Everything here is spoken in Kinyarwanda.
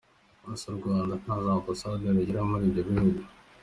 Ese u Rwanda nta za Ambasade rugira muri ibyo bihugu?